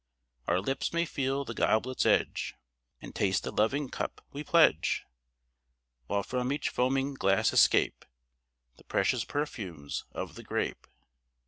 Our lips may feel the goblet's edge And taste the loving cup we pledge. While from each foaming glass escape The precious perfumes of the grape.